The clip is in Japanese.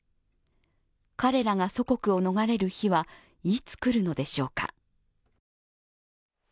彼らが祖国を逃れる日はいつ来るのでしょうか。